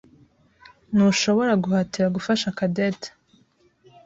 Ntushobora guhatira gufasha Cadette.